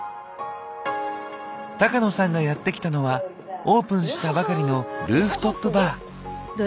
高野さんがやって来たのはオープンしたばかりのルーフトップバー。